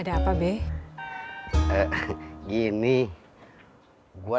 ora mau coba belom biarkan